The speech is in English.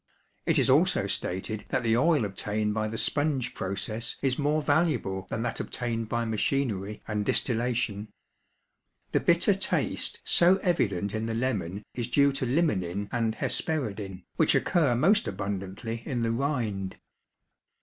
It is also stated that the oil obtained by the "sponge process" is more valuable than that obtained by machinery and distillation. The bitter taste so evident in the lemon is due to limonin and hesperidin, which occur most abundantly in the rind.